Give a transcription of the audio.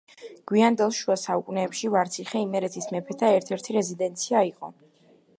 გვიანდელ შუა საუკუნეებში ვარციხე იმერეთის მეფეთა ერთ-ერთი რეზიდენცია იყო.